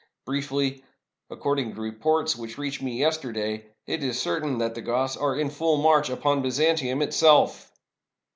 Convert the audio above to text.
Briefly, according to reports which reached me yester day, it is certain that the Goths are in full march upon Byzantium itself!"